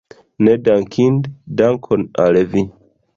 Nedankinde, dankon al vi!